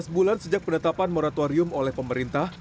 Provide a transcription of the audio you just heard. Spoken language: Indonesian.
lima belas bulan sejak penetapan moratorium oleh pemerintah